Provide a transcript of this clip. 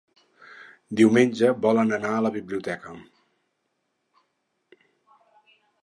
Diumenge volen anar a la biblioteca.